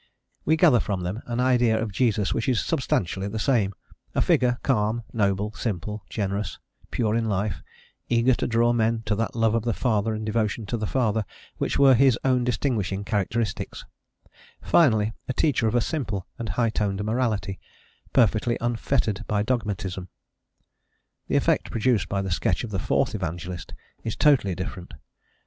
We gather from them an idea of Jesus which is substantially the same: a figure, calm, noble, simple, generous; pure in life, eager to draw men to that love of the Father and devotion to the Father which were his own distinguishing characteristics; finally, a teacher of a simple and high toned morality, perfectly unfettered by dogmatism. The effect produced by the sketch of the Fourth Evangelist is totally different.